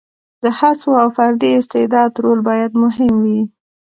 د هڅو او فردي استعداد رول باید مهم وي.